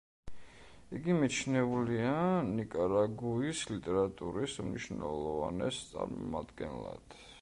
იგი მიჩნეულია ნიკარაგუის ლიტერატურის უმნიშვნელოვანეს წარმომადგენლად.